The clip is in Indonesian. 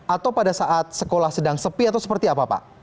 atau pada saat sekolah sedang sepi atau seperti apa pak